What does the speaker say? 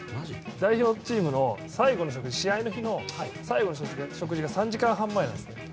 代表チームの試合の日の最後の食事が３時間半前なんですね。